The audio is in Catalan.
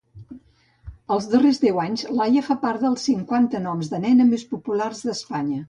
Els darrers deu anys, Laia fa part dels cinquanta noms de nena més populars d'Espanya.